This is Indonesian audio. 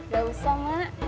gak usah mak